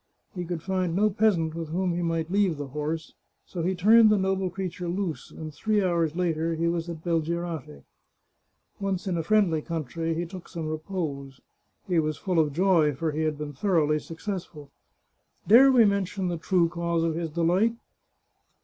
He could find no peasant with whom he might leave the horse, so he turned the noble creature loose, and three hours later, he was at Belgirate. Once in a friendly country, he took some repose. He was full of joy, for he had been thoroughly successful. Dare we mention the true cause of his delight?